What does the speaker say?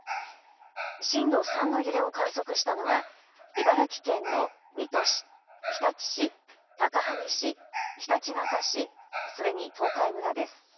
震度３の揺れを観測したのは茨城県の水戸市、日立市、高萩市、ひたちなか市、それに東海村です。